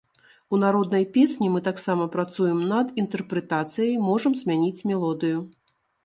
У народнай песні мы таксама працуем над інтэрпрэтацыяй, можам змяніць мелодыю.